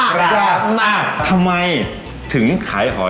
ก็เลยอยากถามทำไมถึงขายหอย